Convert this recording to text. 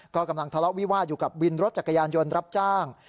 ก็กำลังทะเลาะวิวาสอยู่กับวินรถจักรยานยนต์รับจ้าง